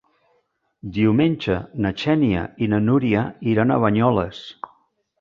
Diumenge na Xènia i na Núria iran a Banyoles.